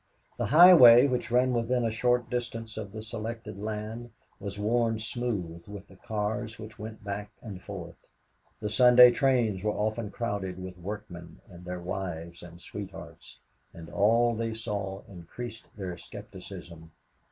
The highway which ran within a short distance of the selected land was worn smooth with the cars which went back and forth. The Sunday trains were often crowded with workmen and their wives and sweethearts, and all they saw increased their skepticism.